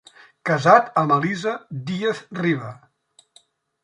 Casat amb Elisa Díaz Riba.